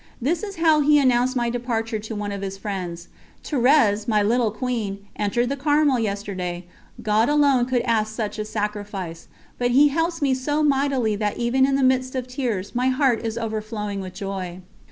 This is how he announced my departure to one of his friends: "Thérèse, my little Queen, entered the Carmel yesterday. God alone could ask such a sacrifice; but He helps me so mightily that even in the midst of tears my heart is overflowing with joy."